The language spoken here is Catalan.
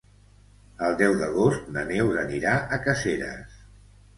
El deu d'agost na Neus anirà a Caseres.